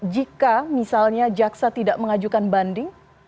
jika misalnya jaksa tidak mengajukan banding